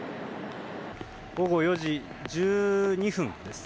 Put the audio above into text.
午後４時１２分です。